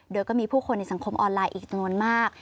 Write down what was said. โดยก็มีผู้คนในสังคมออนไลน์อีกจำนวนมาก